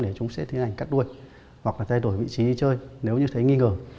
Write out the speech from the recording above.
để chúng sẽ cắt đuôi hoặc là thay đổi vị trí đi chơi nếu như thấy nghi ngờ